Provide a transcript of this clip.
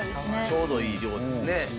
ちょうどいい量ですね。